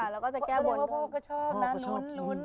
ค่ะแล้วก็จะแก้บนพ่อก็ชอบอ๋อพ่อก็ชอบใช่ค่ะ